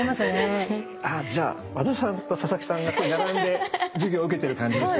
じゃあ和田さんと佐々木さんが並んで授業受けてる感じですね。